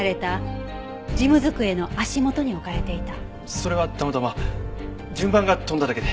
それはたまたま順番が飛んだだけで。